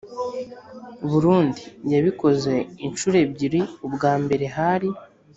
Burundi Yabikoze inshuro ebyiri Ubwa mbere hari